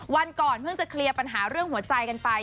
วันก่อนเพิ่งจะเคลียร์ปัญหาเรื่องหัวใจกันไป